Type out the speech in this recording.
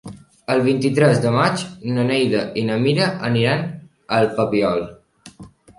El vint-i-tres de maig na Neida i na Mira aniran al Papiol.